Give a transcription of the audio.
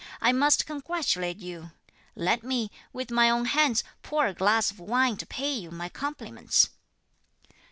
I must congratulate you! Let me, with my own hands, pour a glass of wine to pay you my compliments."